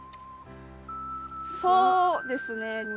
そうですね。